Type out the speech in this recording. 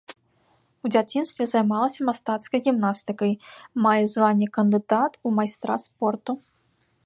У дзяцінстве займалася мастацкай гімнастыкай, мае званне кандыдат у майстра спорту.